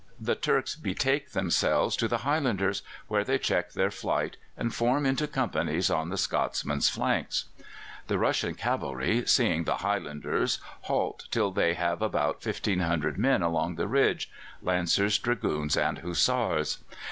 The Turks betake themselves to the Highlanders, where they check their flight, and form into companies on the Scotsmens' flanks. "The Russian cavalry, seeing the Highlanders, halt till they have about 1,500 men along the ridge Lancers, Dragoons, and Hussars.